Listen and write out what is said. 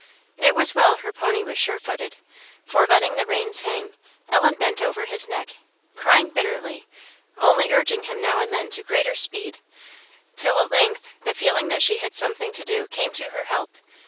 It was well her pony was sure footed, for, letting the reins hang, Ellen bent over his neck, crying bitterly, only urging him now and then to greater speed; till at length the feeling that she had something to do came to her help.